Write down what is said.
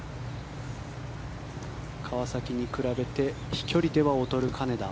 川崎に比べて飛距離では劣る金田。